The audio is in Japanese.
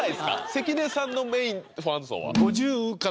関根さんのメインファン層は？